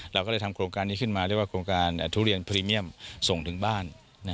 เราก็เลยทำโครงการนี้ขึ้นมาเรียกว่าโครงการทุเรียนพรีเมียมส่งถึงบ้าน